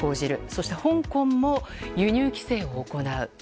そして香港も輸入規制を行う。